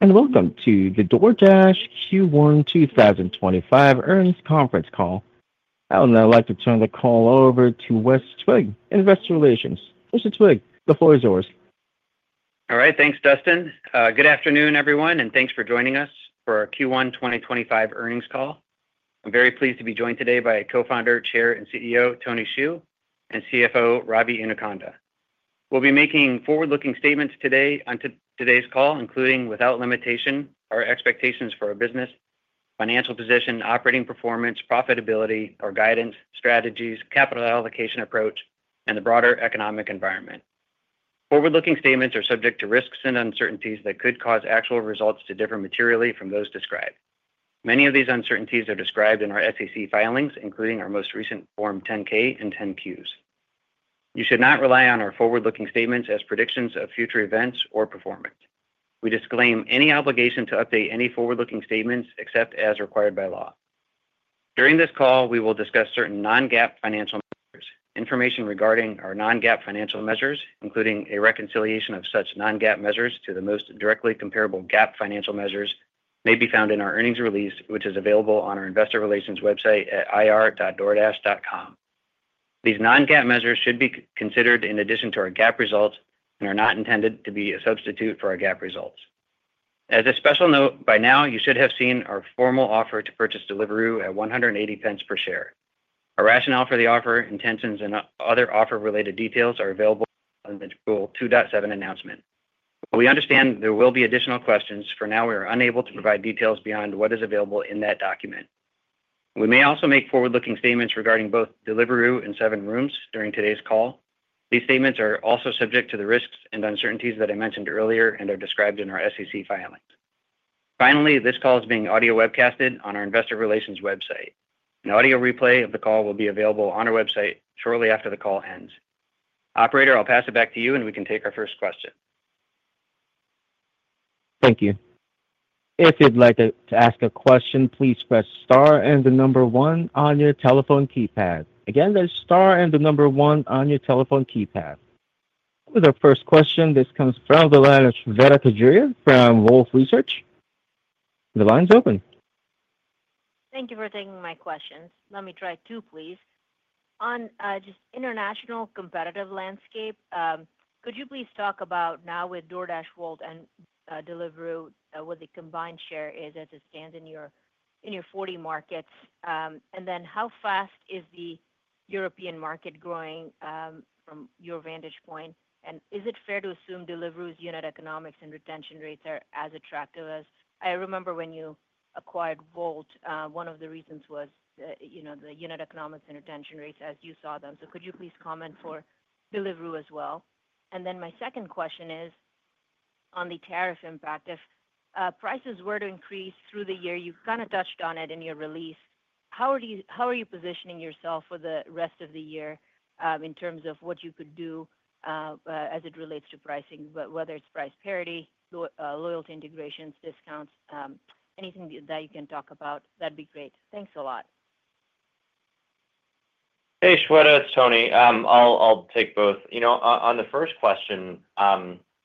Hello, and welcome to the DoorDash Q1 2025 earnings conference call. I would now like to turn the call over to Wes Twigg in investor relations. Mr. Twigg, the floor is yours. All right, thanks, Dustin. Good afternoon, everyone, and thanks for joining us for our Q1 2025 earnings call. I'm very pleased to be joined today by Co-founder, Chair, and CEO Tony Xu, and CFO Ravi Inukonda. We'll be making forward-looking statements today on today's call, including without limitation our expectations for our business, financial position, operating performance, profitability, our guidance, strategies, capital allocation approach, and the broader economic environment. Forward-looking statements are subject to risks and uncertainties that could cause actual results to differ materially from those described. Many of these uncertainties are described in our SEC filings, including our most recent Form 10-K and 10-Qs. You should not rely on our forward-looking statements as predictions of future events or performance. We disclaim any obligation to update any forward-looking statements except as required by law. During this call, we will discuss certain non-GAAP financial measures. Information regarding our non-GAAP financial measures, including a reconciliation of such non-GAAP measures to the most directly comparable GAAP financial measures, may be found in our earnings release, which is available on our investor relations website at ir.doordash.com. These non-GAAP measures should be considered in addition to our GAAP results and are not intended to be a substitute for our GAAP results. As a special note, by now, you should have seen our formal offer to purchase Deliveroo at 1.80 per share. Our rationale for the offer, intentions, and other offer-related details are available in the JUL 2.7 announcement. We understand there will be additional questions. For now, we are unable to provide details beyond what is available in that document. We may also make forward-looking statements regarding both Deliveroo and SevenRooms during today's call. These statements are also subject to the risks and uncertainties that I mentioned earlier and are described in our SEC filings. Finally, this call is being audio webcasted on our investor relations website. An audio replay of the call will be available on our website shortly after the call ends. Operator, I'll pass it back to you, and we can take our first question. Thank you. If you'd like to ask a question, please press star and the number one on your telephone keypad. Again, that's star and the number one on your telephone keypad. With our first question, this comes from the line of Shweta Khajuria from Wolfe Research. The line's open. Thank you for taking my questions. Let me try two, please. On just international competitive landscape, could you please talk about now with DoorDash World and Deliveroo what the combined share is as it stands in your 40 markets? How fast is the European market growing from your vantage point? Is it fair to assume Deliveroo's unit economics and retention rates are as attractive as I remember when you acquired Volt? One of the reasons was the unit economics and retention rates as you saw them. Could you please comment for Deliveroo as well? My second question is on the tariff impact. If prices were to increase through the year, you kind of touched on it in your release. How are you positioning yourself for the rest of the year in terms of what you could do as it relates to pricing, whether it's price parity, loyalty integrations, discounts, anything that you can talk about? That'd be great. Thanks a lot. Hey, Shweta, it's Tony. I'll take both. On the first question,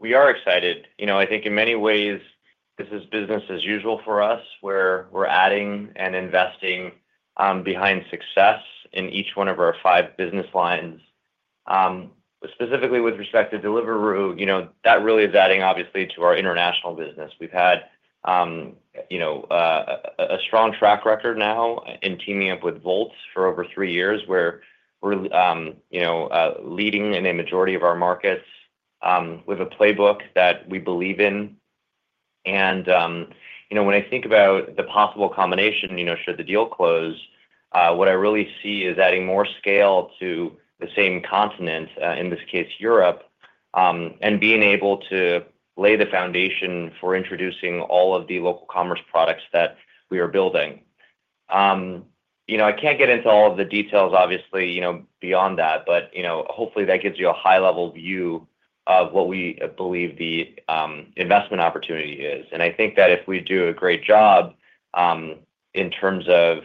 we are excited. I think in many ways, this is business as usual for us where we're adding and investing behind success in each one of our five business lines. Specifically with respect to Deliveroo, that really is adding, obviously, to our international business. We've had a strong track record now in teaming up with Volt for over three years where we're leading in a majority of our markets with a playbook that we believe in. When I think about the possible combination, should the deal close, what I really see is adding more scale to the same continent, in this case, Europe, and being able to lay the foundation for introducing all of the local commerce products that we are building. I can't get into all of the details, obviously, beyond that, but hopefully that gives you a high-level view of what we believe the investment opportunity is. I think that if we do a great job in terms of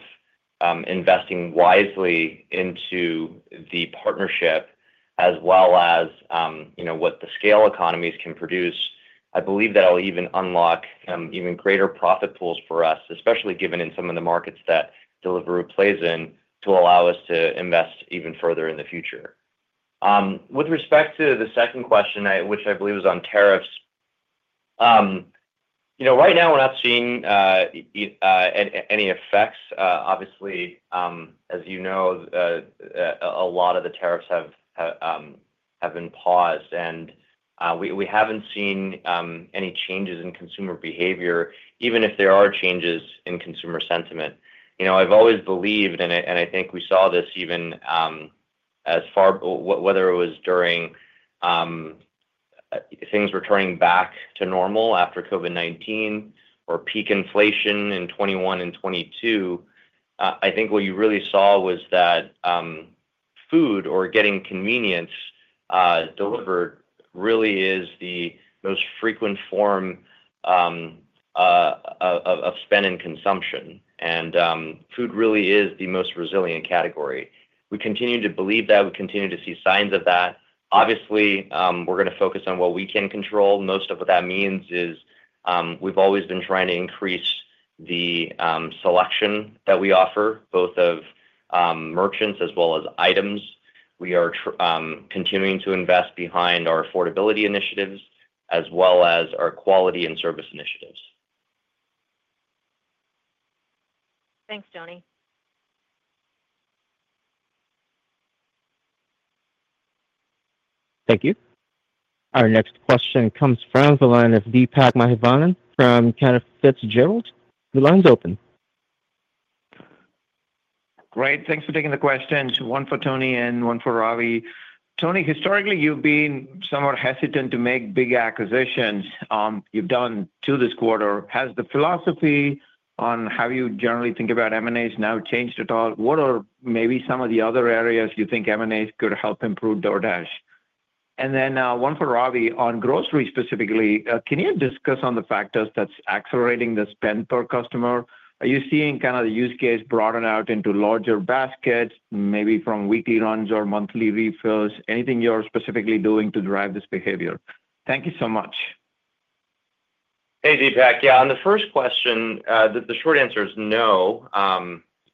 investing wisely into the partnership as well as what the scale economies can produce, I believe that it'll even unlock even greater profit pools for us, especially given in some of the markets that Deliveroo plays in, to allow us to invest even further in the future. With respect to the second question, which I believe is on tariffs, right now we're not seeing any effects. Obviously, as you know, a lot of the tariffs have been paused, and we haven't seen any changes in consumer behavior, even if there are changes in consumer sentiment. I've always believed, and I think we saw this even as far whether it was during things returning back to normal after COVID-19 or peak inflation in 2021 and 2022, I think what you really saw was that food or getting convenience delivered really is the most frequent form of spend and consumption. Food really is the most resilient category. We continue to believe that. We continue to see signs of that. Obviously, we're going to focus on what we can control. Most of what that means is we've always been trying to increase the selection that we offer, both of merchants as well as items. We are continuing to invest behind our affordability initiatives as well as our quality and service initiatives. Thanks, Tony. Thank you. Our next question comes from the line of Deepak Mathivanan from Cantor Fitzgerald. The line's open. Great. Thanks for taking the questions. One for Tony and one for Ravi. Tony, historically, you've been somewhat hesitant to make big acquisitions. You've done two this quarter. Has the philosophy on how you generally think about M&As now changed at all? What are maybe some of the other areas you think M&As could help improve DoorDash? One for Ravi on groceries specifically. Can you discuss on the factors that's accelerating the spend per customer? Are you seeing kind of the use case broaden out into larger baskets, maybe from weekly runs or monthly refills? Anything you're specifically doing to drive this behavior? Thank you so much. Hey, Deepak. Yeah, on the first question, the short answer is no.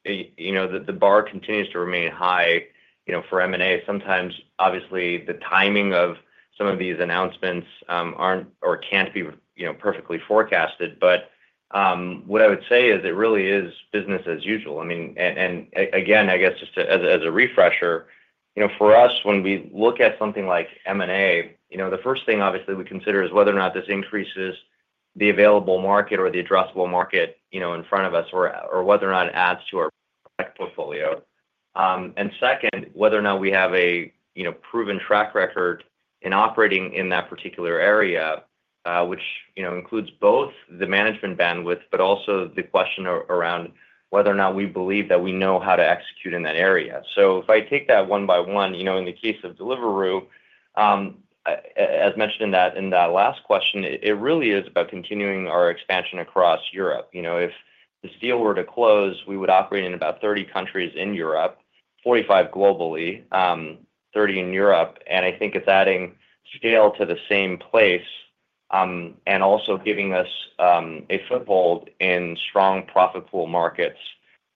The bar continues to remain high for M&As. Sometimes, obviously, the timing of some of these announcements are not or cannot be perfectly forecasted. What I would say is it really is business as usual. I mean, and again, I guess just as a refresher, for us, when we look at something like M&A, the first thing, obviously, we consider is whether or not this increases the available market or the addressable market in front of us or whether or not it adds to our portfolio. Second, whether or not we have a proven track record in operating in that particular area, which includes both the management bandwidth, but also the question around whether or not we believe that we know how to execute in that area. If I take that one by one, in the case of Deliveroo, as mentioned in that last question, it really is about continuing our expansion across Europe. If this deal were to close, we would operate in about 30 countries in Europe, 45 globally, 30 in Europe. I think it's adding scale to the same place and also giving us a foothold in strong profit pool markets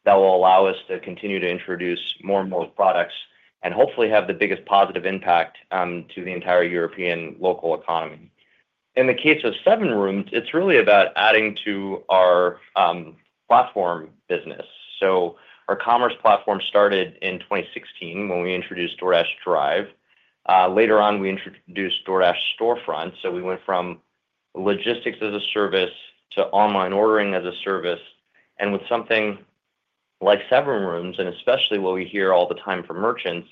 that will allow us to continue to introduce more and more products and hopefully have the biggest positive impact to the entire European local economy. In the case of SevenRooms, it's really about adding to our platform business. Our commerce platform started in 2016 when we introduced DoorDash Drive. Later on, we introduced DoorDash Storefront. We went from logistics as a service to online ordering as a service. With something like SevenRooms, and especially what we hear all the time from merchants,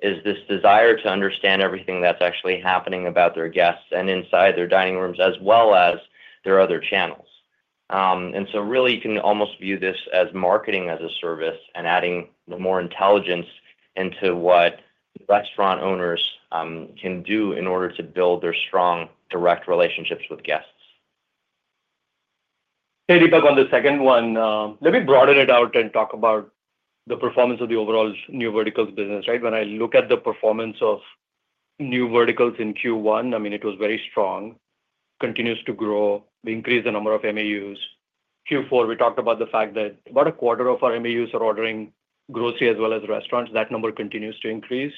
is this desire to understand everything that's actually happening about their guests and inside their dining rooms as well as their other channels. You can almost view this as marketing as a service and adding more intelligence into what restaurant owners can do in order to build their strong direct relationships with guests. Hey, Deepak, on the second one, let me broaden it out and talk about the performance of the overall new verticals business, right? When I look at the performance of new verticals in Q1, I mean, it was very strong, continues to grow. We increased the number of MAUs. Q4, we talked about the fact that about a quarter of our MAUs are ordering grocery as well as restaurants. That number continues to increase.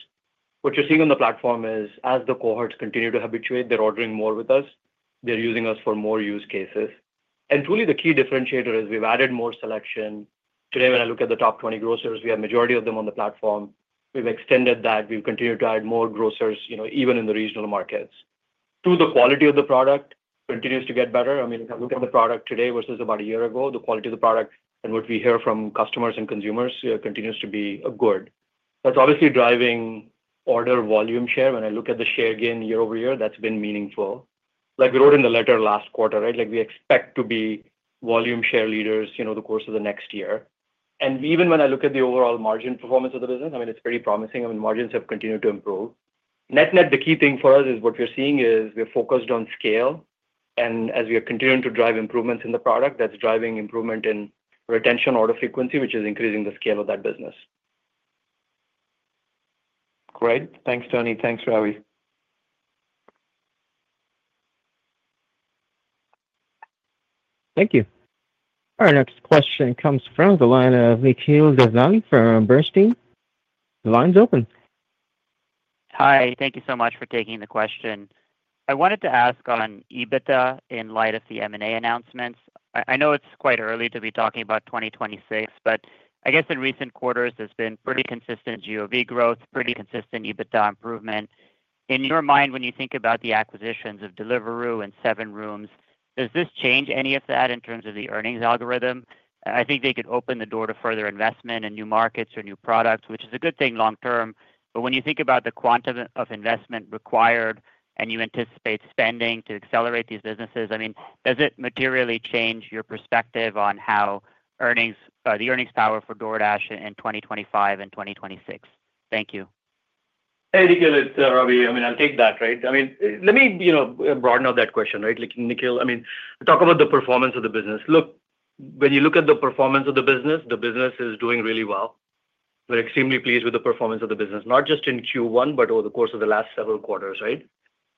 What you're seeing on the platform is as the cohorts continue to habituate, they're ordering more with us. They're using us for more use cases. Truly, the key differentiator is we've added more selection. Today, when I look at the top 20 grocers, we have a majority of them on the platform. We've extended that. We've continued to add more grocers even in the regional markets. The quality of the product continues to get better. I mean, if I look at the product today versus about a year ago, the quality of the product and what we hear from customers and consumers continues to be good. That's obviously driving order volume share. When I look at the share gain year over year, that's been meaningful. Like we wrote in the letter last quarter, right? We expect to be volume share leaders the course of the next year. Even when I look at the overall margin performance of the business, I mean, it's pretty promising. I mean, margins have continued to improve. Net-net, the key thing for us is what we're seeing is we're focused on scale. As we are continuing to drive improvements in the product, that's driving improvement in retention order frequency, which is increasing the scale of that business. Great. Thanks, Tony. Thanks, Ravi. Thank you. Our next question comes from the line of Nikhil Devnani from Bernstein. The line's open. Hi. Thank you so much for taking the question. I wanted to ask on EBITDA in light of the M&A announcements. I know it's quite early to be talking about 2026, but I guess in recent quarters, there's been pretty consistent GOV growth, pretty consistent EBITDA improvement. In your mind, when you think about the acquisitions of Deliveroo and SevenRooms, does this change any of that in terms of the earnings algorithm? I think they could open the door to further investment in new markets or new products, which is a good thing long term. When you think about the quantum of investment required and you anticipate spending to accelerate these businesses, I mean, does it materially change your perspective on how the earnings power for DoorDash in 2025 and 2026? Thank you. Hey, Nikhil, it's Ravi. I mean, I'll take that, right? I mean, let me broaden out that question, right? Nikhil, I mean, talk about the performance of the business. Look, when you look at the performance of the business, the business is doing really well. We're extremely pleased with the performance of the business, not just in Q1, but over the course of the last several quarters, right?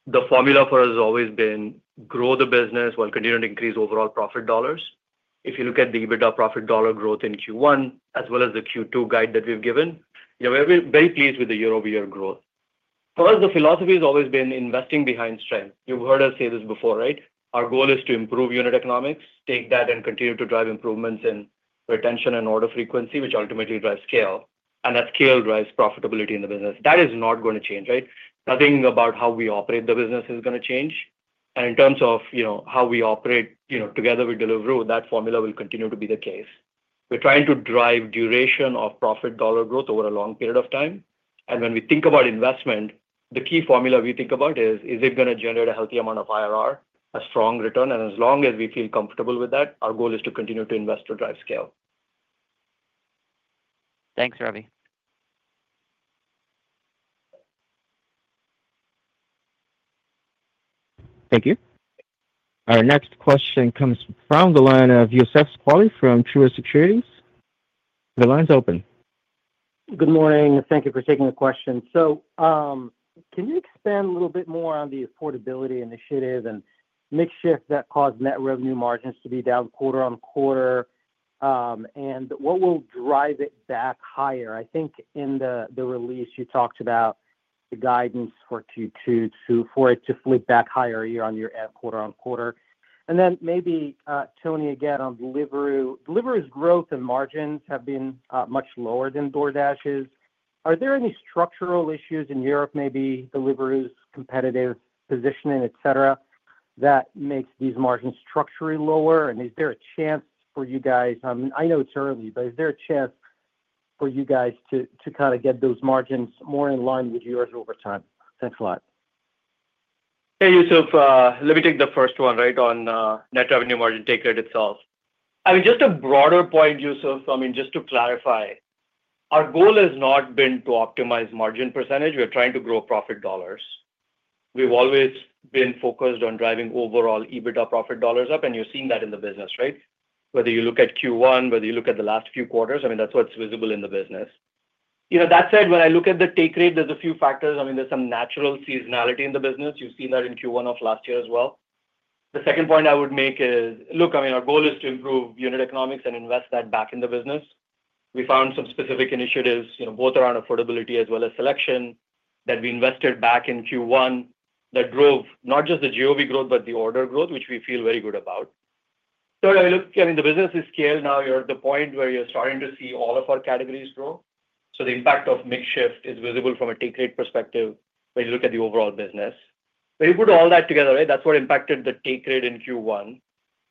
The formula for us has always been grow the business while continuing to increase overall profit dollars. If you look at the EBITDA profit dollar growth in Q1, as well as the Q2 guide that we've given, we're very pleased with the year-over-year growth. For us, the philosophy has always been investing behind strength. You've heard us say this before, right? Our goal is to improve unit economics, take that, and continue to drive improvements in retention and order frequency, which ultimately drives scale. That scale drives profitability in the business. That is not going to change, right? Nothing about how we operate the business is going to change. In terms of how we operate together with Deliveroo, that formula will continue to be the case. We're trying to drive duration of profit dollar growth over a long period of time. When we think about investment, the key formula we think about is, is it going to generate a healthy amount of IRR, a strong return? As long as we feel comfortable with that, our goal is to continue to invest to drive scale. Thanks, Ravi. Thank you. Our next question comes from the line of Youssef Squali from Truist Securities. The line's open. Good morning. Thank you for taking the question. Can you expand a little bit more on the affordability initiative and makeshift that caused net revenue margins to be down quarter on quarter? What will drive it back higher? I think in the release, you talked about the guidance for Q2 for it to flip back higher year on year and quarter on quarter. Maybe, Tony, again, on Deliveroo, Deliveroo's growth and margins have been much lower than DoorDash's. Are there any structural issues in Europe, maybe Deliveroo's competitive positioning, etc., that makes these margins structurally lower? Is there a chance for you guys? I know it's early, but is there a chance for you guys to kind of get those margins more in line with yours over time? Thanks a lot. Hey, Youssef, let me take the first one, right, on net revenue margin take rate itself. I mean, just a broader point, Youssef, I mean, just to clarify, our goal has not been to optimize margin percentage. We're trying to grow profit dollars. We've always been focused on driving overall EBITDA profit dollars up. You're seeing that in the business, right? Whether you look at Q1, whether you look at the last few quarters, I mean, that's what's visible in the business. That said, when I look at the take rate, there's a few factors. I mean, there's some natural seasonality in the business. You've seen that in Q1 of last year as well. The second point I would make is, look, I mean, our goal is to improve unit economics and invest that back in the business. We found some specific initiatives both around affordability as well as selection that we invested back in Q1 that drove not just the GOV growth, but the order growth, which we feel very good about. I mean, the business is scaled now. You're at the point where you're starting to see all of our categories grow. The impact of mix shift is visible from a take rate perspective when you look at the overall business. When you put all that together, that's what impacted the take rate in Q1.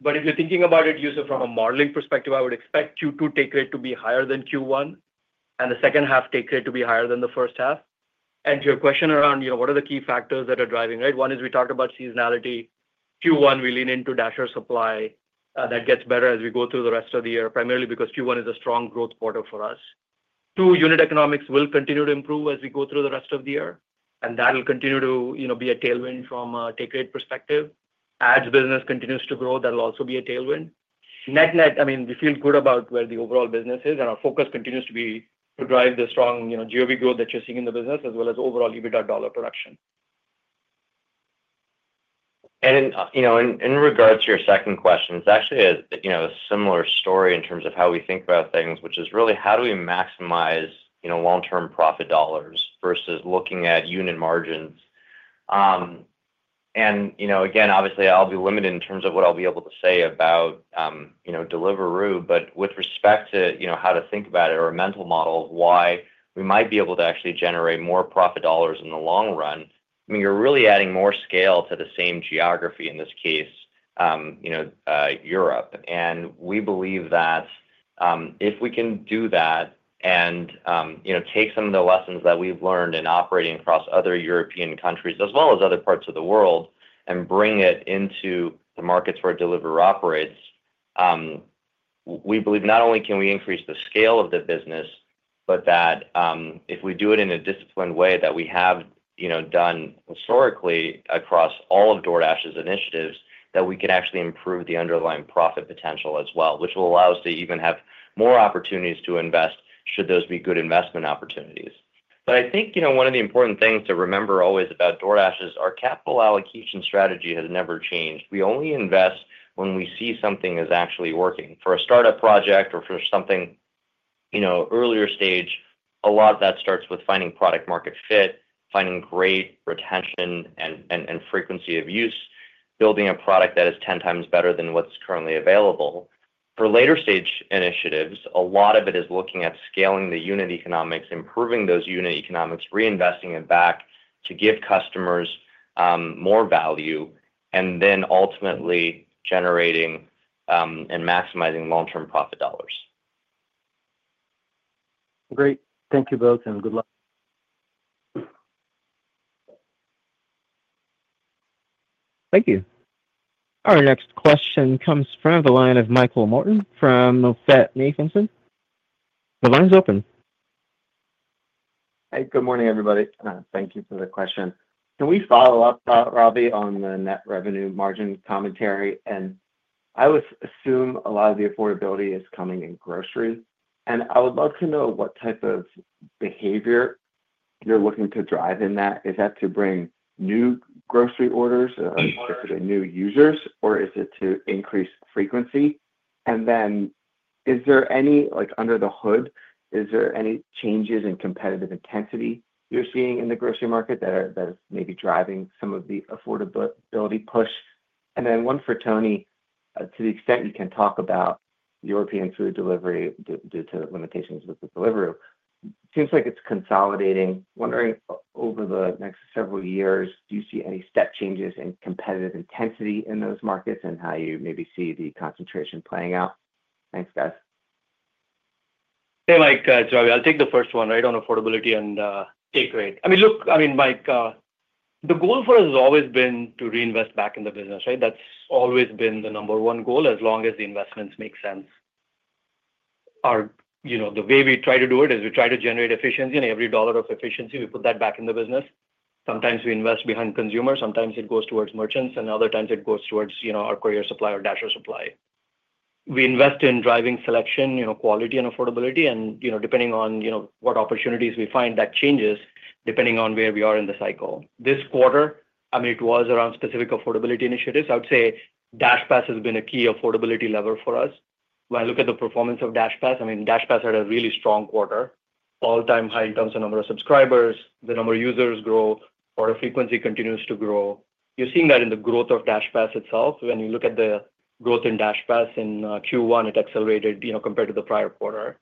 If you're thinking about it, Youssef, from a modeling perspective, I would expect Q2 take rate to be higher than Q1 and the second half take rate to be higher than the first half. To your question around what are the key factors that are driving, one is we talked about seasonality. Q1, we lean into dasher supply that gets better as we go through the rest of the year, primarily because Q1 is a strong growth quarter for us. Two, unit economics will continue to improve as we go through the rest of the year. That will continue to be a tailwind from a take rate perspective. As business continues to grow, that will also be a tailwind. Net-net, I mean, we feel good about where the overall business is. Our focus continues to be to drive the strong GOV growth that you're seeing in the business as well as overall EBITDA dollar production. In regards to your second question, it's actually a similar story in terms of how we think about things, which is really how do we maximize long-term profit dollars versus looking at unit margins. Again, obviously, I'll be limited in terms of what I'll be able to say about Deliveroo, but with respect to how to think about it or a mental model of why we might be able to actually generate more profit dollars in the long run, I mean, you're really adding more scale to the same geography, in this case, Europe. We believe that if we can do that and take some of the lessons that we've learned in operating across other European countries as well as other parts of the world and bring it into the markets where Deliveroo operates, we believe not only can we increase the scale of the business, but that if we do it in a disciplined way that we have done historically across all of DoorDash's initiatives, we can actually improve the underlying profit potential as well, which will allow us to even have more opportunities to invest should those be good investment opportunities. I think one of the important things to remember always about DoorDash is our capital allocation strategy has never changed. We only invest when we see something is actually working. For a startup project or for something earlier stage, a lot of that starts with finding product-market fit, finding great retention and frequency of use, building a product that is 10 times better than what's currently available. For later stage initiatives, a lot of it is looking at scaling the unit economics, improving those unit economics, reinvesting it back to give customers more value, and then ultimately generating and maximizing long-term profit dollars. Great. Thank you both, and good luck. Thank you. Our next question comes from the line of Michael Morton from MoffettNathanson. The line's open. Hey, good morning, everybody. Thank you for the question. Can we follow up, Ravi, on the net revenue margin commentary? I would assume a lot of the affordability is coming in groceries. I would love to know what type of behavior you're looking to drive in that. Is that to bring new grocery orders or is it to bring new users, or is it to increase frequency? Is there any, under the hood, is there any changes in competitive intensity you're seeing in the grocery market that is maybe driving some of the affordability push? One for Tony, to the extent you can talk about European food delivery due to limitations with Deliveroo. It seems like it's consolidating. Wondering over the next several years, do you see any step changes in competitive intensity in those markets and how you maybe see the concentration playing out? Thanks, guys. Hey, Mike, it's Ravi. I'll take the first one, right, on affordability and take rate. I mean, look, I mean, Mike, the goal for us has always been to reinvest back in the business, right? That's always been the number one goal as long as the investments make sense. The way we try to do it is we try to generate efficiency. And every dollar of efficiency, we put that back in the business. Sometimes we invest behind consumers. Sometimes it goes towards merchants. Other times, it goes towards our courier supply or dasher supply. We invest in driving selection, quality and affordability. Depending on what opportunities we find, that changes depending on where we are in the cycle. This quarter, I mean, it was around specific affordability initiatives. I would say DashPass has been a key affordability lever for us. When I look at the performance of DashPass, I mean, DashPass had a really strong quarter, all-time high in terms of number of subscribers. The number of users grow, order frequency continues to grow. You're seeing that in the growth of DashPass itself. When you look at the growth in DashPass in Q1, it accelerated compared to the prior quarter.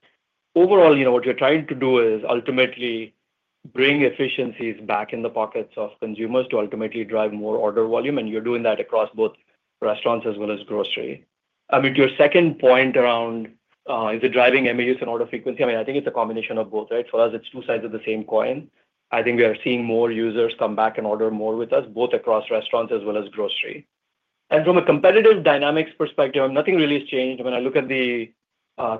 Overall, what you're trying to do is ultimately bring efficiencies back in the pockets of consumers to ultimately drive more order volume. You're doing that across both restaurants as well as grocery. I mean, to your second point around, is it driving MAUs and order frequency? I mean, I think it's a combination of both, right? For us, it's two sides of the same coin. I think we are seeing more users come back and order more with us, both across restaurants as well as grocery. From a competitive dynamics perspective, nothing really has changed. When I look at the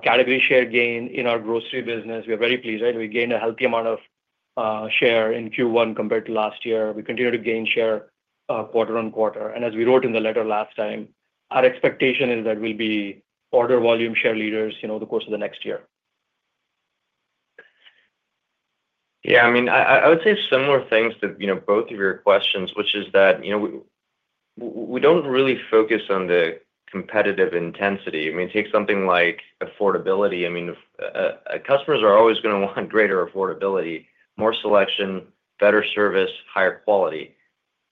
category share gain in our grocery business, we are very pleased, right? We gained a healthy amount of share in Q1 compared to last year. We continue to gain share quarter on quarter. As we wrote in the letter last time, our expectation is that we'll be order volume share leaders the course of the next year. Yeah. I mean, I would say similar things to both of your questions, which is that we don't really focus on the competitive intensity. I mean, take something like affordability. I mean, customers are always going to want greater affordability, more selection, better service, higher quality.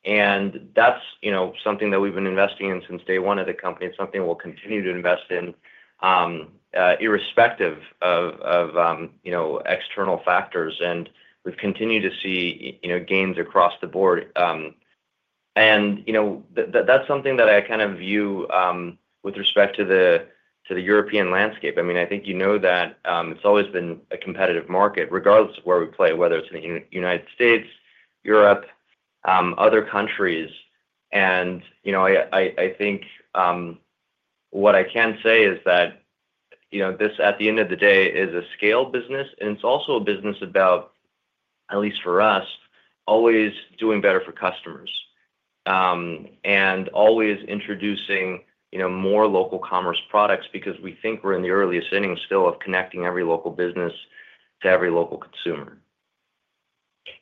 That's something that we've been investing in since day one at the company and something we'll continue to invest in irrespective of external factors. We've continued to see gains across the board. That's something that I kind of view with respect to the European landscape. I mean, I think you know that it's always been a competitive market, regardless of where we play, whether it's in the United States, Europe, other countries. I think what I can say is that this, at the end of the day, is a scale business. It is also a business about, at least for us, always doing better for customers and always introducing more local commerce products because we think we are in the earliest innings still of connecting every local business to every local consumer.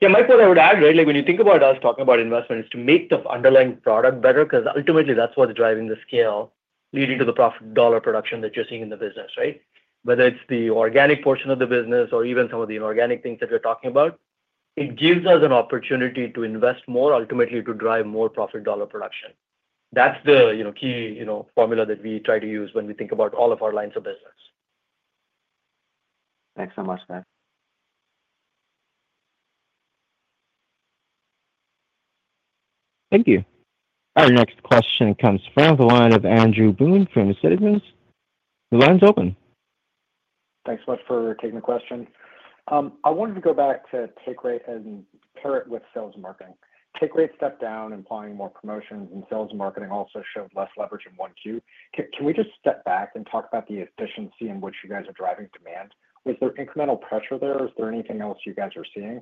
Yeah. Mike, what I would add, right, when you think about us talking about investment is to make the underlying product better because ultimately, that's what's driving the scale leading to the profit dollar production that you're seeing in the business, right? Whether it's the organic portion of the business or even some of the inorganic things that we're talking about, it gives us an opportunity to invest more, ultimately to drive more profit dollar production. That's the key formula that we try to use when we think about all of our lines of business. Thanks so much, guys. Thank you. Our next question comes from the line of Andrew Boone from Citizens. The line's open. Thanks so much for taking the question. I wanted to go back to take rate and pair it with sales and marketing. Take rate stepped down, implying more promotions, and sales and marketing also showed less leverage in one queue. Can we just step back and talk about the efficiency in which you guys are driving demand? Was there incremental pressure there? Is there anything else you guys are seeing?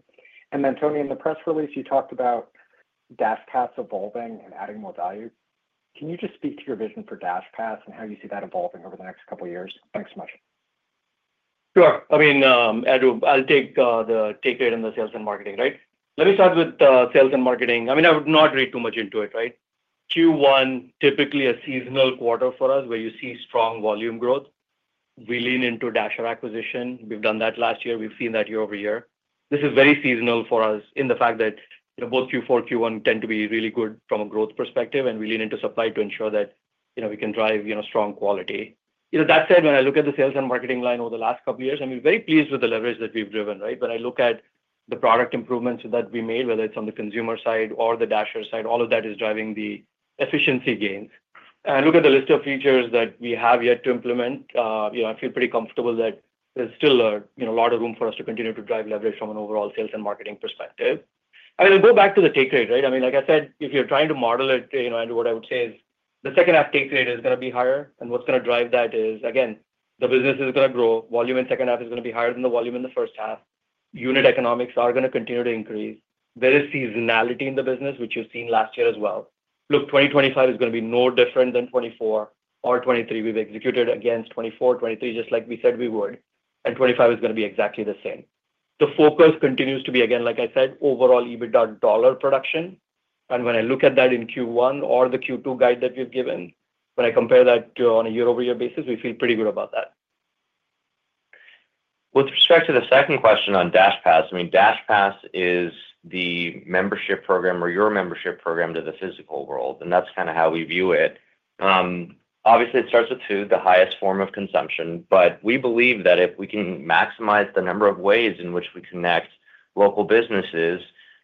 Tony, in the press release, you talked about DashPass evolving and adding more value. Can you just speak to your vision for DashPass and how you see that evolving over the next couple of years? Thanks so much. Sure. I mean, Andrew, I'll take the take rate on the sales and marketing, right? Let me start with sales and marketing. I mean, I would not read too much into it, right? Q1, typically a seasonal quarter for us where you see strong volume growth. We lean into dasher acquisition. We've done that last year. We've seen that year over year. This is very seasonal for us in the fact that both Q4 and Q1 tend to be really good from a growth perspective. We lean into supply to ensure that we can drive strong quality. That said, when I look at the sales and marketing line over the last couple of years, I mean, very pleased with the leverage that we've driven, right? When I look at the product improvements that we made, whether it's on the consumer side or the dasher side, all of that is driving the efficiency gains. If you look at the list of features that we have yet to implement, I feel pretty comfortable that there's still a lot of room for us to continue to drive leverage from an overall sales and marketing perspective. I mean, I'll go back to the take rate, right? I mean, like I said, if you're trying to model it, Andrew, what I would say is the second-half take rate is going to be higher. What's going to drive that is, again, the business is going to grow. Volume in second half is going to be higher than the volume in the first half. Unit economics are going to continue to increase. There is seasonality in the business, which you've seen last year as well. Look, 2025 is going to be no different than 2024 or 2023. We've executed against 2024, 2023, just like we said we would. 2025 is going to be exactly the same. The focus continues to be, again, like I said, overall EBITDA dollar production. When I look at that in Q1 or the Q2 guide that we've given, when I compare that on a year-over-year basis, we feel pretty good about that. With respect to the second question on DashPass, I mean, DashPass is the membership program or your membership program to the physical world. That is kind of how we view it. Obviously, it starts with two, the highest form of consumption. We believe that if we can maximize the number of ways in which we connect local businesses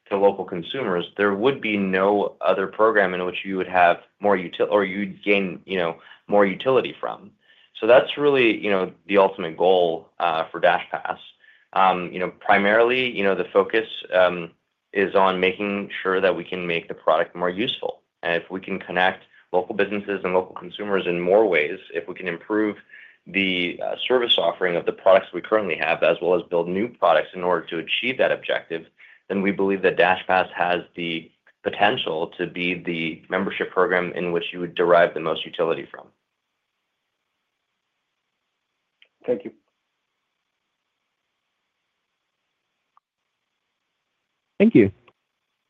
to local consumers, there would be no other program in which you would have more or you would gain more utility from. That is really the ultimate goal for DashPass. Primarily, the focus is on making sure that we can make the product more useful. If we can connect local businesses and local consumers in more ways, if we can improve the service offering of the products we currently have as well as build new products in order to achieve that objective, then we believe that DashPass has the potential to be the membership program in which you would derive the most utility from. Thank you. Thank you.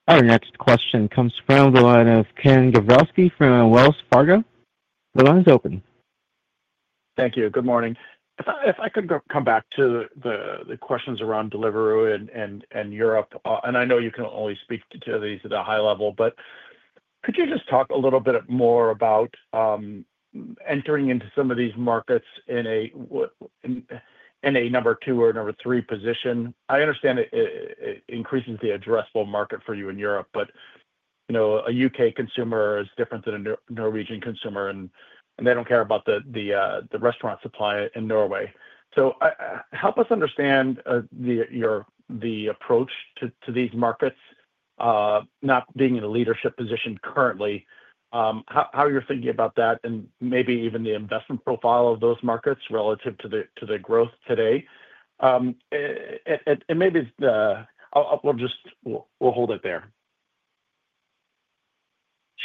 Our next question comes from the line of Ken Gawrelski from Wells Fargo. The line's open. Thank you. Good morning. If I could come back to the questions around Deliveroo and Europe, and I know you can only speak to these at a high level, could you just talk a little bit more about entering into some of these markets in a number two or number three position? I understand it increases the addressable market for you in Europe, but a U.K. consumer is different than a Norwegian consumer, and they do not care about the restaurant supply in Norway. Help us understand your approach to these markets, not being in a leadership position currently, how you are thinking about that, and maybe even the investment profile of those markets relative to the growth today. Maybe we will hold it there.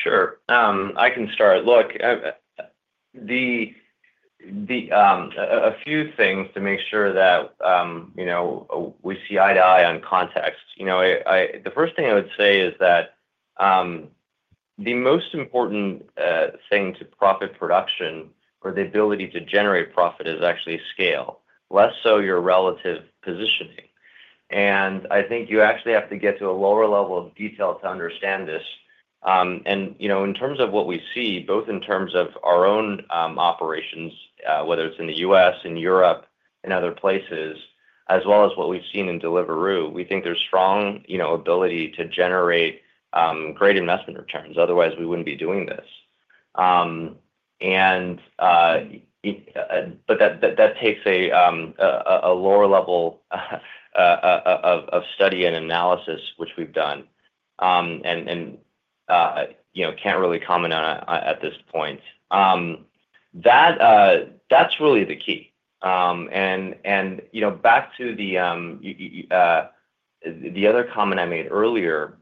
Sure. I can start. Look, a few things to make sure that we see eye to eye on context. The first thing I would say is that the most important thing to profit production or the ability to generate profit is actually scale, less so your relative positioning. I think you actually have to get to a lower level of detail to understand this. In terms of what we see, both in terms of our own operations, whether it's in the U.S., in Europe, in other places, as well as what we've seen in Deliveroo, we think there's strong ability to generate great investment returns. Otherwise, we wouldn't be doing this. That takes a lower level of study and analysis, which we've done, and can't really comment on at this point. That's really the key. Back to the other comment I made earlier,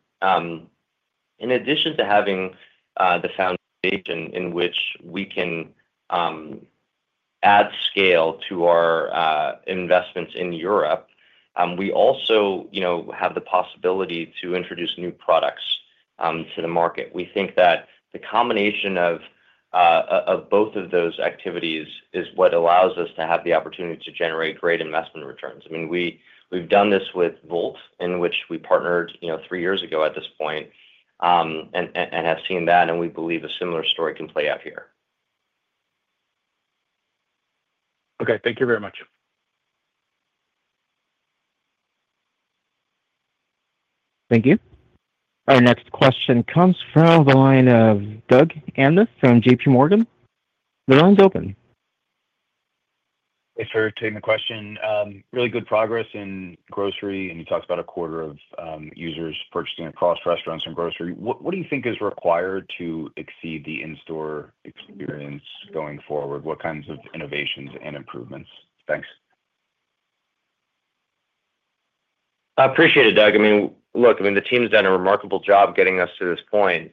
in addition to having the foundation in which we can add scale to our investments in Europe, we also have the possibility to introduce new products to the market. We think that the combination of both of those activities is what allows us to have the opportunity to generate great investment returns. I mean, we've done this with Volt, in which we partnered three years ago at this point, and have seen that. We believe a similar story can play out here. Okay. Thank you very much. Thank you. Our next question comes from the line of Doug Anmuth from J.P. Morgan. The line's open. Thanks for taking the question. Really good progress in grocery. You talked about a quarter of users purchasing across restaurants and grocery. What do you think is required to exceed the in-store experience going forward? What kinds of innovations and improvements? Thanks. I appreciate it, Doug. I mean, look, the team's done a remarkable job getting us to this point.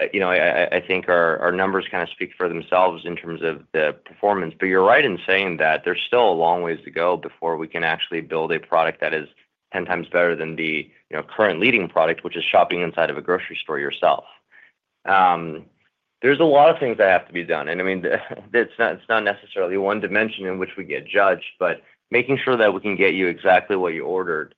I think our numbers kind of speak for themselves in terms of the performance. You're right in saying that there's still a long ways to go before we can actually build a product that is 10 times better than the current leading product, which is shopping inside of a grocery store yourself. There's a lot of things that have to be done. I mean, it's not necessarily one dimension in which we get judged, but making sure that we can get you exactly what you ordered,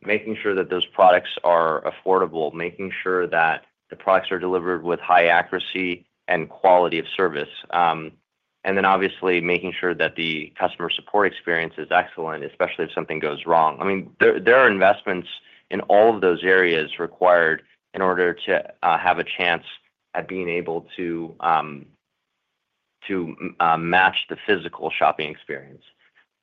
making sure that those products are affordable, making sure that the products are delivered with high accuracy and quality of service, and then obviously making sure that the customer support experience is excellent, especially if something goes wrong. I mean, there are investments in all of those areas required in order to have a chance at being able to match the physical shopping experience.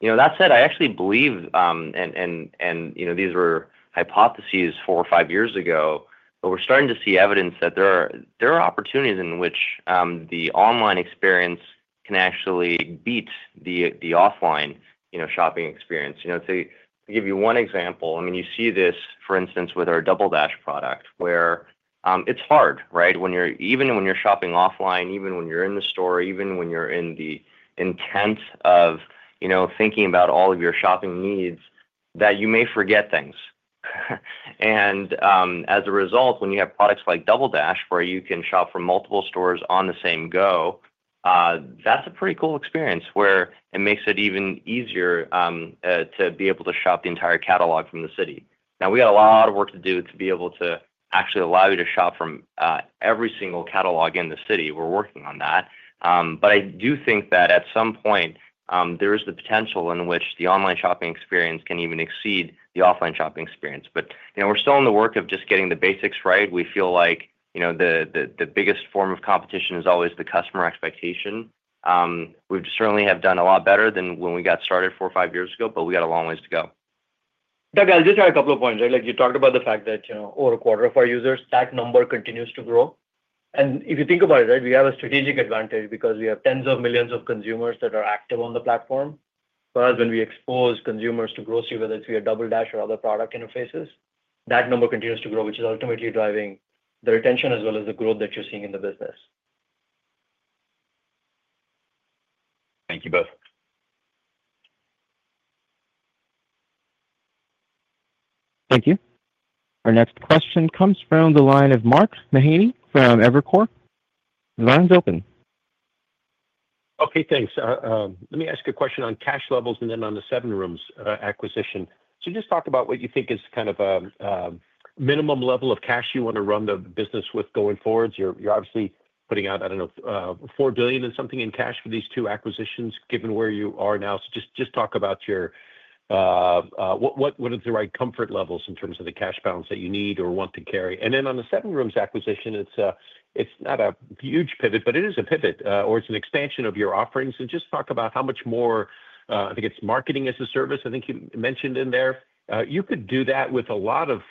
That said, I actually believe, and these were hypotheses four or five years ago, but we're starting to see evidence that there are opportunities in which the online experience can actually beat the offline shopping experience. To give you one example, I mean, you see this, for instance, with our DoubleDash product, where it's hard, right? Even when you're shopping offline, even when you're in the store, even when you're in the intent of thinking about all of your shopping needs, you may forget things. As a result, when you have products like DoubleDash, where you can shop from multiple stores on the same go, that's a pretty cool experience where it makes it even easier to be able to shop the entire catalog from the city. Now, we have a lot of work to do to be able to actually allow you to shop from every single catalog in the city. We're working on that. I do think that at some point, there is the potential in which the online shopping experience can even exceed the offline shopping experience. We're still in the work of just getting the basics right. We feel like the biggest form of competition is always the customer expectation. We certainly have done a lot better than when we got started four or five years ago, but we got a long ways to go. Doug, I'll just add a couple of points. You talked about the fact that over a quarter of our users, that number continues to grow. If you think about it, right, we have a strategic advantage because we have tens of millions of consumers that are active on the platform. Whereas when we expose consumers to grocery, whether it's via DoubleDash or other product interfaces, that number continues to grow, which is ultimately driving the retention as well as the growth that you're seeing in the business. Thank you both. Thank you. Our next question comes from the line of Mark Mahaney from Evercore. The line's open. Okay. Thanks. Let me ask a question on cash levels and then on the SevenRooms acquisition. Just talk about what you think is kind of a minimum level of cash you want to run the business with going forward. You're obviously putting out, I don't know, $4 billion and something in cash for these two acquisitions, given where you are now. Just talk about what are the right comfort levels in terms of the cash balance that you need or want to carry. On the SevenRooms acquisition, it's not a huge pivot, but it is a pivot, or it's an expansion of your offerings. Just talk about how much more, I think it's marketing as a service. I think you mentioned in there you could do that with a lot of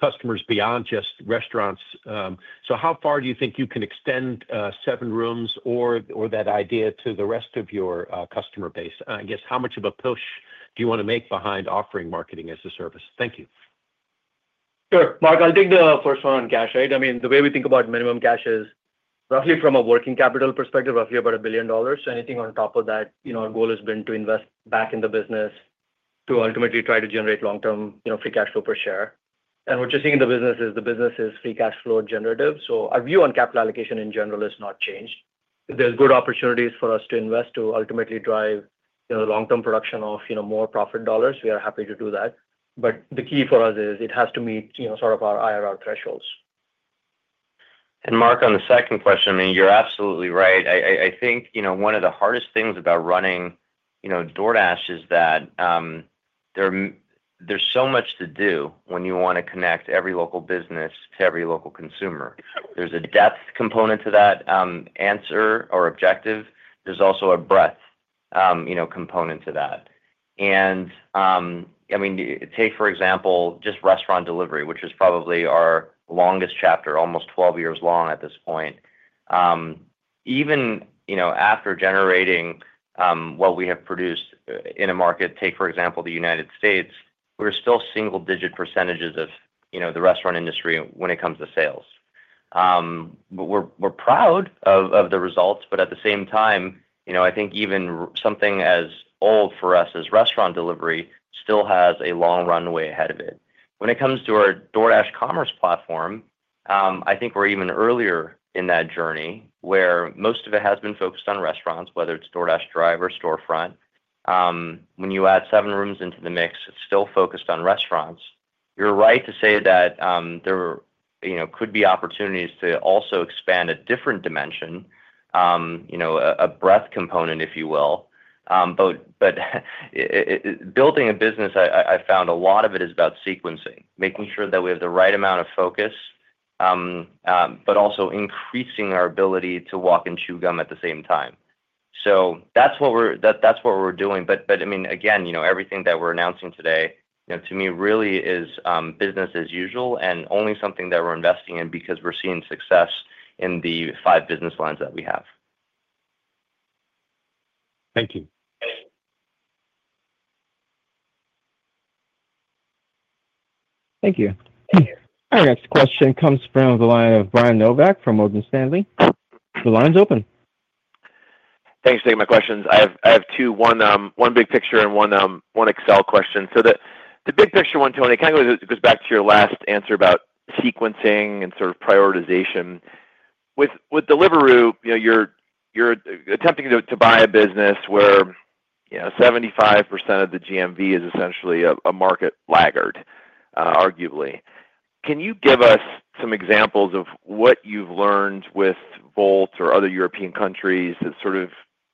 customers beyond just restaurants. How far do you think you can extend SevenRooms or that idea to the rest of your customer base? I guess, how much of a push do you want to make behind offering marketing as a service? Thank you. Sure. Mark, I'll take the first one on cash, right? I mean, the way we think about minimum cash is roughly from a working capital perspective, roughly about $1 billion. Anything on top of that, our goal has been to invest back in the business to ultimately try to generate long-term free cash flow per share. What you're seeing in the business is the business is free cash flow generative. Our view on capital allocation in general has not changed. There are good opportunities for us to invest to ultimately drive the long-term production of more profit dollars. We are happy to do that. The key for us is it has to meet sort of our IRR thresholds. Mark, on the second question, you're absolutely right. I think one of the hardest things about running DoorDash is that there's so much to do when you want to connect every local business to every local consumer. There's a depth component to that answer or objective. There's also a breadth component to that. I mean, take for example, just restaurant delivery, which is probably our longest chapter, almost 12 years long at this point. Even after generating what we have produced in a market, take for example, the United States, we're still single-digit percentage of the restaurant industry when it comes to sales. We're proud of the results. At the same time, I think even something as old for us as restaurant delivery still has a long runway ahead of it. When it comes to our DoorDash commerce platform, I think we're even earlier in that journey where most of it has been focused on restaurants, whether it's DoorDash Drive or Storefront. When you add SevenRooms into the mix, it's still focused on restaurants. You're right to say that there could be opportunities to also expand a different dimension, a breadth component, if you will. Building a business, I found a lot of it is about sequencing, making sure that we have the right amount of focus, but also increasing our ability to walk and chew gum at the same time. That is what we're doing. I mean, again, everything that we're announcing today, to me, really is business as usual and only something that we're investing in because we're seeing success in the five business lines that we have. Thank you. Thank you. Our next question comes from the line of Brian Nowak from Morgan Stanley. The line's open. Thanks for taking my questions. I have two, one big picture and one Excel question. The big picture one, Tony, kind of goes back to your last answer about sequencing and sort of prioritization. With Deliveroo, you're attempting to buy a business where 75% of the GMV is essentially a market laggard, arguably. Can you give us some examples of what you've learned with Volt or other European countries that sort of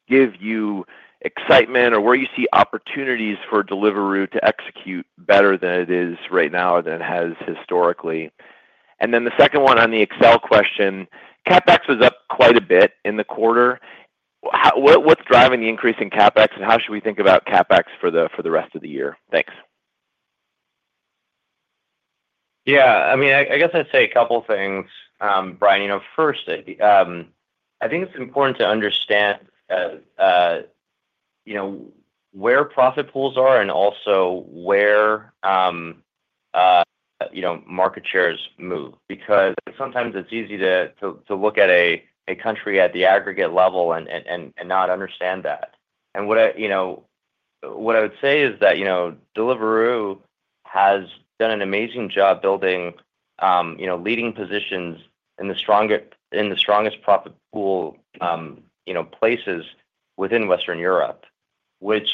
give you excitement or where you see opportunities for Deliveroo to execute better than it is right now than it has historically? The second one on the Excel question, CapEx was up quite a bit in the quarter. What's driving the increase in CapEx, and how should we think about CapEx for the rest of the year? Thanks. Yeah. I mean, I guess I'd say a couple of things, Brian. First, I think it's important to understand where profit pools are and also where market shares move because sometimes it's easy to look at a country at the aggregate level and not understand that. What I would say is that Deliveroo has done an amazing job building leading positions in the strongest profit pool places within Western Europe, which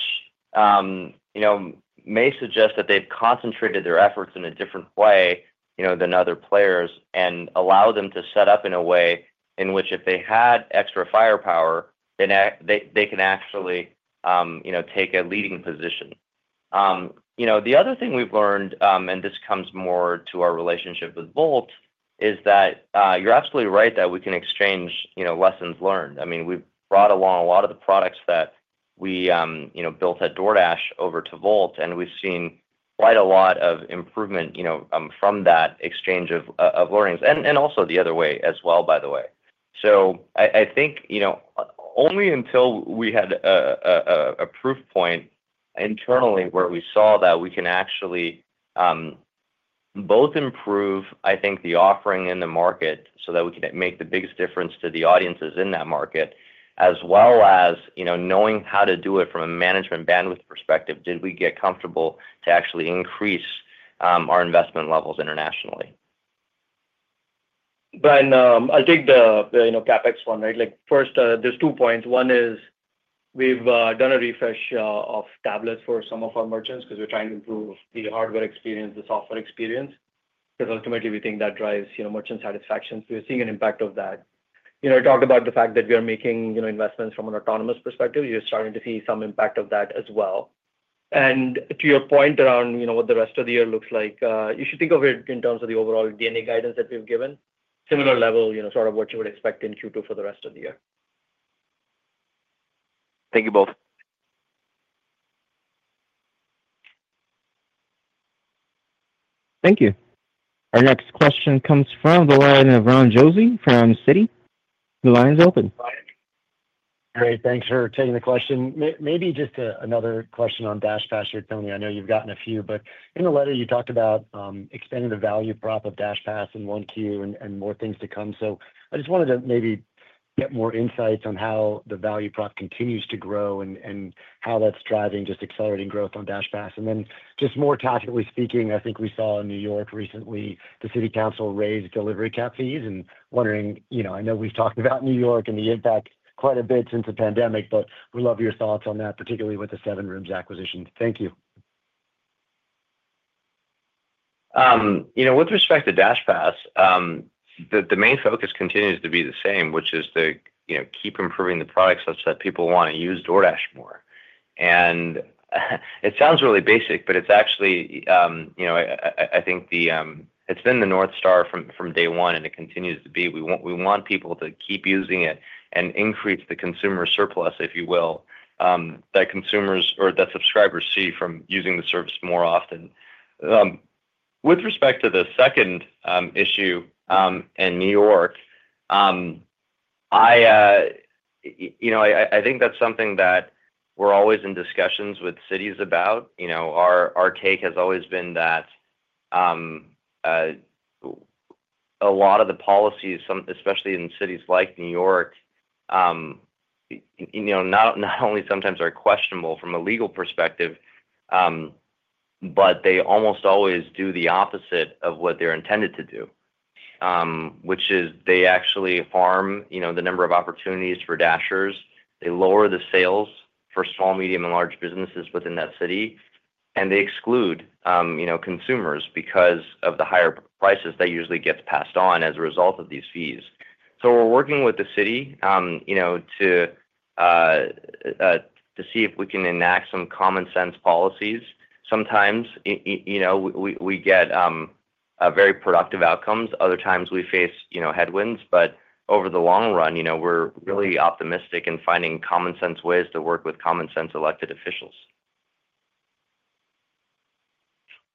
may suggest that they've concentrated their efforts in a different way than other players and allowed them to set up in a way in which if they had extra firepower, they can actually take a leading position. The other thing we've learned, and this comes more to our relationship with Volt, is that you're absolutely right that we can exchange lessons learned. I mean, we've brought along a lot of the products that we built at DoorDash over to Volt, and we've seen quite a lot of improvement from that exchange of learnings. Also the other way as well, by the way. I think only until we had a proof point internally where we saw that we can actually both improve, I think, the offering in the market so that we can make the biggest difference to the audiences in that market, as well as knowing how to do it from a management bandwidth perspective, did we get comfortable to actually increase our investment levels internationally? Brian, I'll take the CapEx one, right? First, there's two points. One is we've done a refresh of tablets for some of our merchants because we're trying to improve the hardware experience, the software experience, because ultimately we think that drives merchant satisfaction. We're seeing an impact of that. You talked about the fact that we are making investments from an autonomous perspective. You're starting to see some impact of that as well. To your point around what the rest of the year looks like, you should think of it in terms of the overall DNA guidance that we've given, similar level, sort of what you would expect in Q2 for the rest of the year. Thank you both. Thank you. Our next question comes from the line of Ron Josey from Citi. The line's open. Great. Thanks for taking the question. Maybe just another question on DashPass here, Tony. I know you've gotten a few, but in the letter, you talked about expanding the value prop of DashPass in 1Q and more things to come. I just wanted to maybe get more insights on how the value prop continues to grow and how that's driving just accelerating growth on DashPass. Just more tactically speaking, I think we saw in New York recently, the city council raised delivery cap fees. I know we've talked about New York and the impact quite a bit since the pandemic, but we love your thoughts on that, particularly with the SevenRooms acquisition. Thank you. With respect to DashPass, the main focus continues to be the same, which is to keep improving the products such that people want to use DoorDash more. It sounds really basic, but it's actually, I think it's been the North Star from day one, and it continues to be. We want people to keep using it and increase the consumer surplus, if you will, that consumers or that subscribers see from using the service more often. With respect to the second issue in New York, I think that's something that we're always in discussions with cities about. Our take has always been that a lot of the policies, especially in cities like New York, not only sometimes are questionable from a legal perspective, but they almost always do the opposite of what they're intended to do, which is they actually harm the number of opportunities for Dashers. They lower the sales for small, medium, and large businesses within that city, and they exclude consumers because of the higher prices that usually get passed on as a result of these fees. We are working with the city to see if we can enact some common-sense policies. Sometimes we get very productive outcomes. Other times we face headwinds. Over the long run, we are really optimistic in finding common-sense ways to work with common-sense elected officials.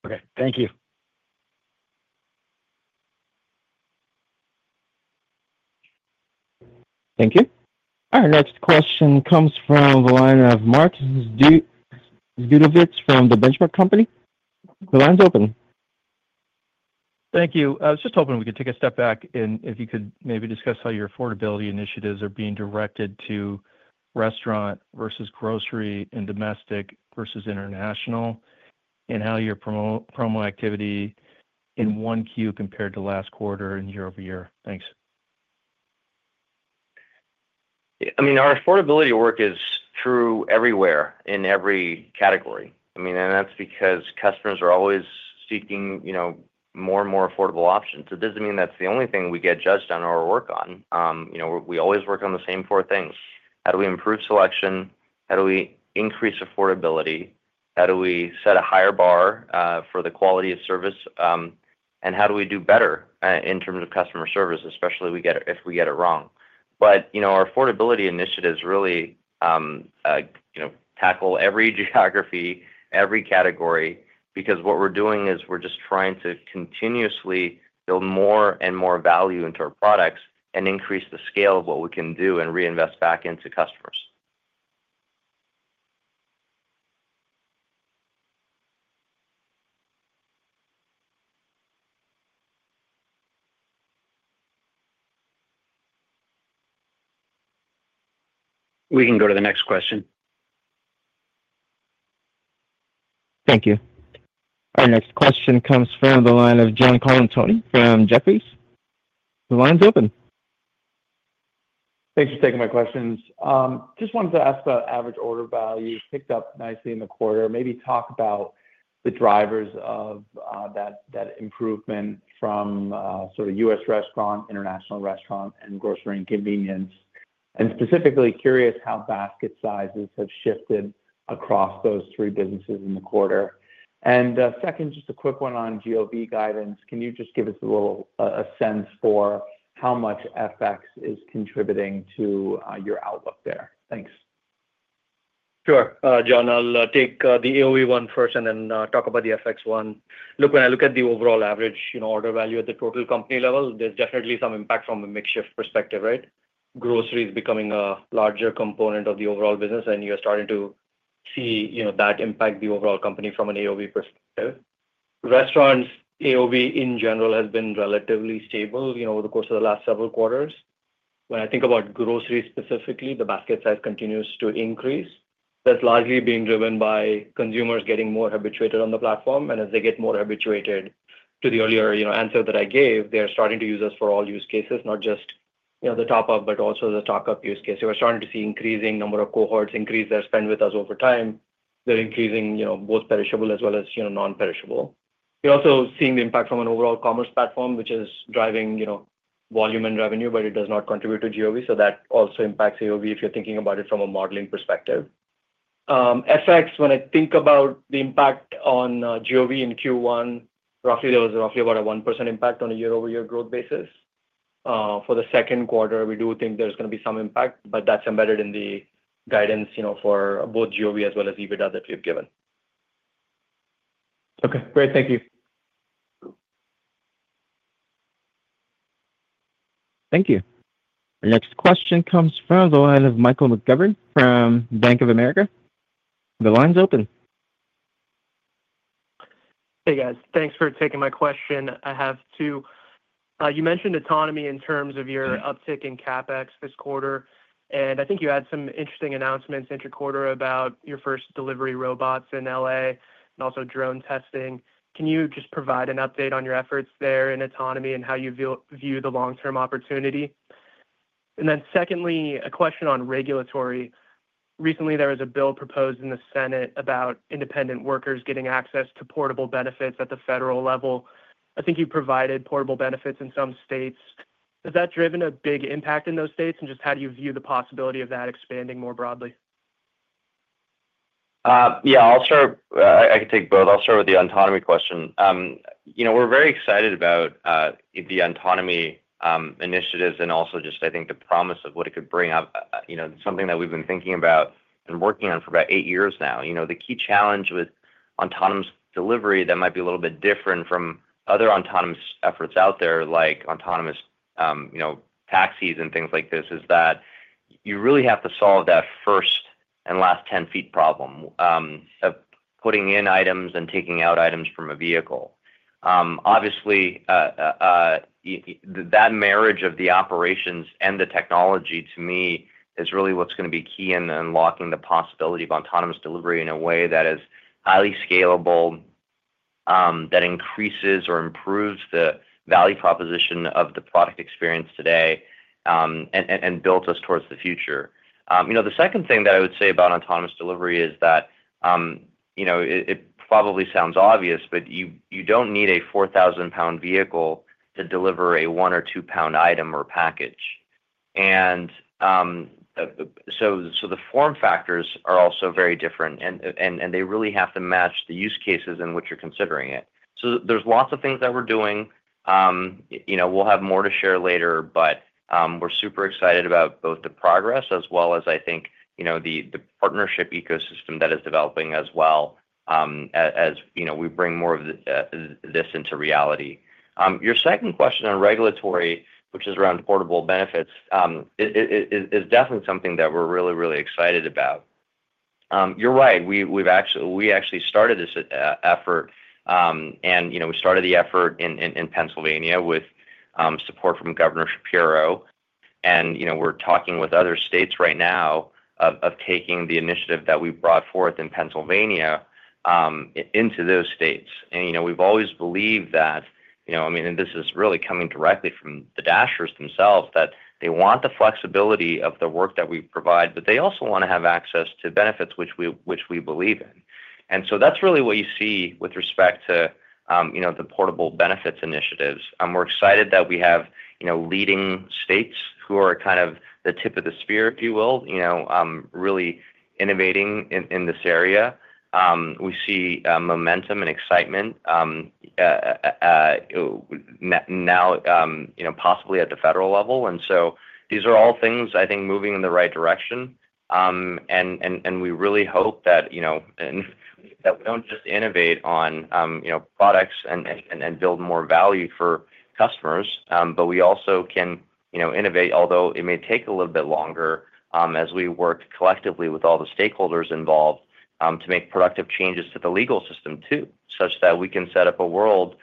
Okay. Thank you. Thank you. Our next question comes from the line of Mark Zgutowicz from the Benchmark Company. The line's open. Thank you. I was just hoping we could take a step back and if you could maybe discuss how your affordability initiatives are being directed to restaurant versus grocery and domestic versus international, and how your promo activity in 1Q compared to last quarter and year-over-year. Thanks. I mean, our affordability work is true everywhere in every category. I mean, and that's because customers are always seeking more and more affordable options. It doesn't mean that's the only thing we get judged on or work on. We always work on the same four things. How do we improve selection? How do we increase affordability? How do we set a higher bar for the quality of service? How do we do better in terms of customer service, especially if we get it wrong? Our affordability initiatives really tackle every geography, every category, because what we're doing is we're just trying to continuously build more and more value into our products and increase the scale of what we can do and reinvest back into customers. We can go to the next question. Thank you. Our next question comes from the line of John Colantuoni from Jefferies. The line's open. Thanks for taking my questions. Just wanted to ask about average order value picked up nicely in the quarter. Maybe talk about the drivers of that improvement from sort of U.S. restaurant, international restaurant, and grocery and convenience. Specifically curious how basket sizes have shifted across those three businesses in the quarter. Second, just a quick one on GOV guidance. Can you just give us a little sense for how much FX is contributing to your outlook there? Thanks. Sure. John, I'll take the AOV one first and then talk about the FX one. Look, when I look at the overall average order value at the total company level, there's definitely some impact from a mix shift perspective, right? Groceries becoming a larger component of the overall business, and you're starting to see that impact the overall company from an AOV perspective. Restaurants, AOV in general, has been relatively stable over the course of the last several quarters. When I think about groceries specifically, the basket size continues to increase. That's largely being driven by consumers getting more habituated on the platform. As they get more habituated to the earlier answer that I gave, they are starting to use us for all use cases, not just the top-up, but also the stock-up use case. We're starting to see increasing number of cohorts increase their spend with us over time. They're increasing both perishable as well as non-perishable. You're also seeing the impact from an overall commerce platform, which is driving volume and revenue, but it does not contribute to GOV. That also impacts AOV if you're thinking about it from a modeling perspective. FX, when I think about the impact on GOV in Q1, there was roughly about a 1% impact on a year-over-year growth basis. For the second quarter, we do think there's going to be some impact, but that's embedded in the guidance for both GOV as well as EBITDA that we've given. Okay. Great. Thank you. Thank you. Our next question comes from the line of Michael McGovern from Bank of America. The line's open. Hey, guys. Thanks for taking my question. I have two. You mentioned autonomy in terms of your uptick in CapEx this quarter. I think you had some interesting announcements interquarter about your first delivery robots in L.A. and also drone testing. Can you just provide an update on your efforts there in autonomy and how you view the long-term opportunity? Secondly, a question on regulatory. Recently, there was a bill proposed in the Senate about independent workers getting access to portable benefits at the federal level. I think you provided portable benefits in some states. Has that driven a big impact in those states and just how do you view the possibility of that expanding more broadly? Yeah. I can take both. I'll start with the autonomy question. We're very excited about the autonomy initiatives and also just, I think, the promise of what it could bring up, something that we've been thinking about and working on for about eight years now. The key challenge with autonomous delivery that might be a little bit different from other autonomous efforts out there, like autonomous taxis and things like this, is that you really have to solve that first and last 10 feet problem of putting in items and taking out items from a vehicle. Obviously, that marriage of the operations and the technology, to me, is really what's going to be key in unlocking the possibility of autonomous delivery in a way that is highly scalable, that increases or improves the value proposition of the product experience today and builds us towards the future. The second thing that I would say about autonomous delivery is that it probably sounds obvious, but you do not need a 4,000-pound vehicle to deliver a 1 or 2-pound item or package. The form factors are also very different, and they really have to match the use cases in which you are considering it. There are lots of things that we are doing. We will have more to share later, but we are super excited about both the progress as well as, I think, the partnership ecosystem that is developing as we bring more of this into reality. Your second question on regulatory, which is around portable benefits, is definitely something that we are really, really excited about. You are right. We actually started this effort, and we started the effort in Pennsylvania with support from Governor Shapiro. We are talking with other states right now of taking the initiative that we brought forth in Pennsylvania into those states. We have always believed that, I mean, and this is really coming directly from the Dashers themselves, that they want the flexibility of the work that we provide, but they also want to have access to benefits, which we believe in. That is really what you see with respect to the portable benefits initiatives. We are excited that we have leading states who are kind of the tip of the spear, if you will, really innovating in this area. We see momentum and excitement now possibly at the federal level. These are all things, I think, moving in the right direction. We really hope that we do not just innovate on products and build more value for customers, but we also can innovate, although it may take a little bit longer as we work collectively with all the stakeholders involved to make productive changes to the legal system too, such that we can set up a world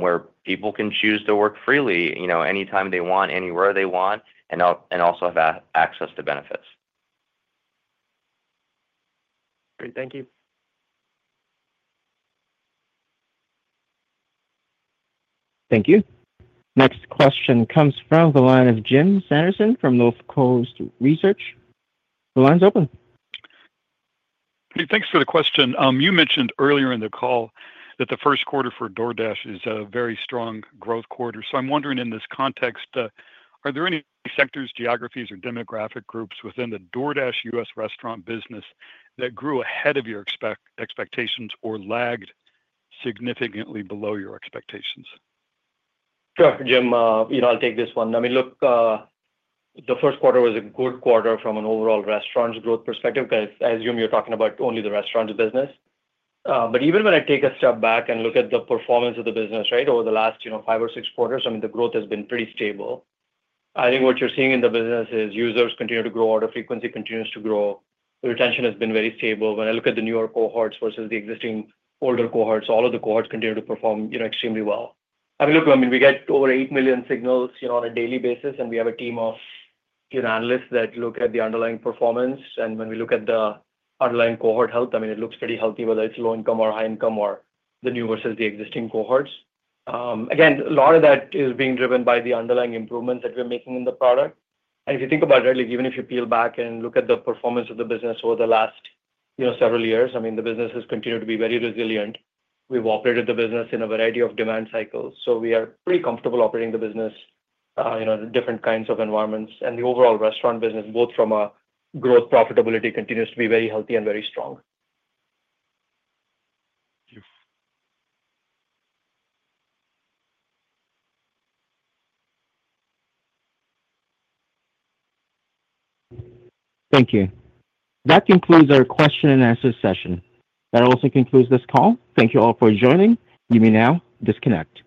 where people can choose to work freely anytime they want, anywhere they want, and also have access to benefits. Great. Thank you. Thank you. Next question comes from the line of Jim Sanderson from Northcoast Research. The line's open. Thanks for the question. You mentioned earlier in the call that the first quarter for DoorDash is a very strong growth quarter. I'm wondering in this context, are there any sectors, geographies, or demographic groups within the DoorDash U.S. restaurant business that grew ahead of your expectations or lagged significantly below your expectations? Sure. Jim, I'll take this one. I mean, look, the first quarter was a good quarter from an overall restaurant's growth perspective because I assume you're talking about only the restaurant business. Even when I take a step back and look at the performance of the business, right, over the last five or six quarters, the growth has been pretty stable. I think what you're seeing in the business is users continue to grow, order frequency continues to grow, retention has been very stable. When I look at the New York cohorts versus the existing older cohorts, all of the cohorts continue to perform extremely well. I mean, look, we get over 8 million signals on a daily basis, and we have a team of analysts that look at the underlying performance. When we look at the underlying cohort health, I mean, it looks pretty healthy, whether it's low-income or high-income or the new versus the existing cohorts. Again, a lot of that is being driven by the underlying improvements that we're making in the product. If you think about it, even if you peel back and look at the performance of the business over the last several years, I mean, the business has continued to be very resilient. We've operated the business in a variety of demand cycles. We are pretty comfortable operating the business in different kinds of environments. The overall restaurant business, both from a growth profitability, continues to be very healthy and very strong. Thank you. Thank you. That concludes our question and answer session. That also concludes this call. Thank you all for joining. You may now disconnect.